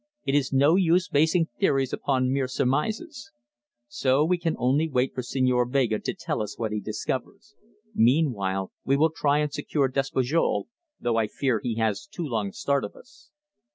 It is no use basing theories upon mere surmises. So we can only wait for Señor Vega to tell us what he discovers. Meanwhile, we will try and secure Despujol though I fear he has too long a start of us."